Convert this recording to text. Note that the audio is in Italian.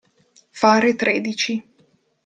Fare tredici.